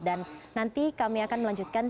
dan nanti kami akan melanjutkan